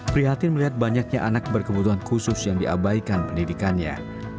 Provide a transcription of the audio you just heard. prihatin melihat banyaknya anak berkebutuhan khusus yang diabaikan pendidikannya